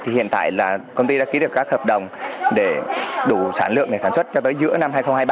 hiện tại là công ty đã ký được các hợp đồng để đủ sản lượng để sản xuất cho tới giữa năm hai nghìn hai mươi ba